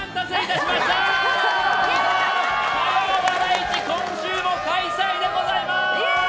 市今週も開催でございます！